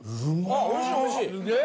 あっおいしいおいしい！